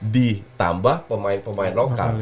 ditambah pemain pemain lokal